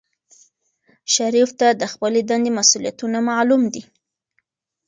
شریف ته د خپلې دندې مسؤولیتونه معلوم دي.